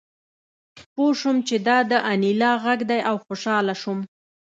پوه شوم چې دا د انیلا غږ دی او خوشحاله شوم